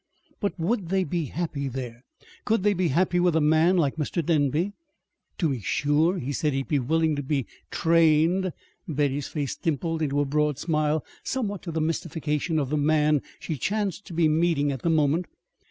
But would they be happy there? Could they be happy with a man like Mr. Denby? To be sure, he said he would be willing to be trained. (Betty's face dimpled into a broad smile somewhat to the mystification of the man she chanced to be meeting at the moment.)